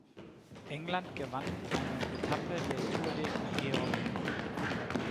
England gewann eine Etappe der Tour de Georgia.